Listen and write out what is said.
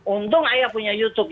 untung ayah punya youtube